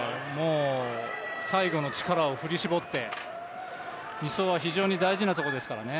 最後の力を振り絞って２走は非常に大事なところですからね。